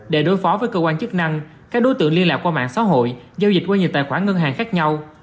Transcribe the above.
để đối phó với cơ quan chức năng các đối tượng liên lạc qua mạng xã hội giao dịch qua nhiều tài khoản ngân hàng khác nhau